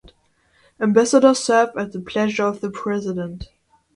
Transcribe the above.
Ambassadors serve at the pleasure of the president.